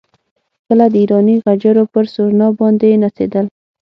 کله د ایراني غجرو پر سورنا باندې نڅېدل.